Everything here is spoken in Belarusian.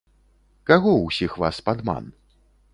Каго ўсіх вас падман?